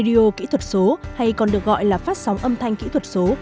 dap hay còn được gọi là phát sóng âm thanh kỹ thuật số